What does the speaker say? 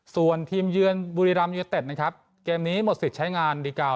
ส่วนทีมเยือนบุรีรัมยูเต็ดนะครับเกมนี้หมดสิทธิ์ใช้งานดีกาล